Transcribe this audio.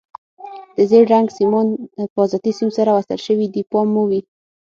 د زیړ رنګ سیمان حفاظتي سیم سره وصل شوي دي پام مو وي.